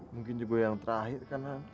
mungkin juga yang terakhir kan